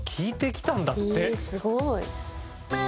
えすごい。